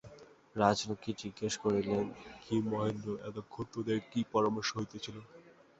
রাজলক্ষ্মী জিজ্ঞাসা করিলেন, কী মহেন্দ্র, এতক্ষণ তোদের কী পরামর্শ হইতেছিল।